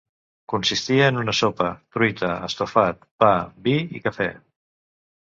Consistia en una sopa, truita, estofat, pa, vi i cafè